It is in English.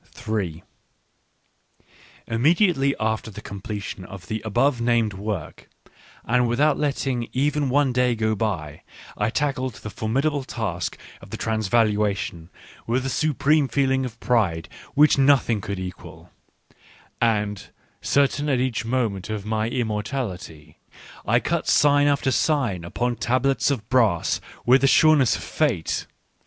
Immediately after the completion of the above named work, and without letting even one day go by, I tackled the formidable task of the Transvalua tion with a supreme feeling of pride which nothing could equal ; and, certain at each moment of my immortality, I cut sign after sign upon tablets of brass with the sureness of Fate.